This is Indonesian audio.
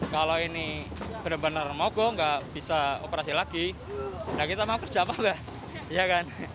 kalau ini benar benar mogok nggak bisa operasi lagi nah kita mau kerja apa enggak